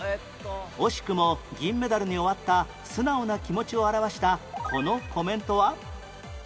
惜しくも銀メダルに終わった素直な気持ちを表したこのコメントは？